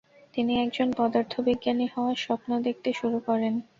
তিনি একজন পদার্থবিজ্ঞানী হওয়ার স্বপ্ন দেখতে শুরু করেন।